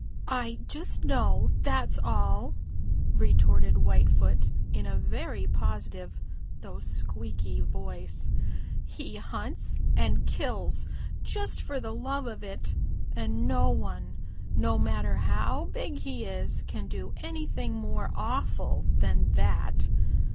"I just know, that's all," retorted Whitefoot in a very positive though squeaky voice. "He hunts and kills just for the love of it, and no one, no matter how big he is, can do anything more awful than that.